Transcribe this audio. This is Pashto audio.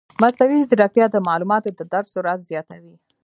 مصنوعي ځیرکتیا د معلوماتو د درک سرعت زیاتوي.